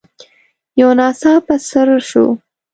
يو ناڅاپه څررر شو.